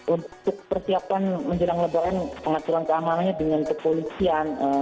untuk persiapan menjelang lebaran pengaturan keamanannya dengan kepolisian